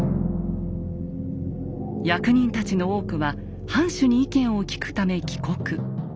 役人たちの多くは藩主に意見を聞くため帰国。